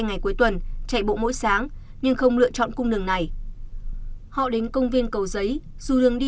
ngày cuối tuần chạy bộ mỗi sáng nhưng không lựa chọn cung đường này họ đến công viên cầu giấy dù đường đi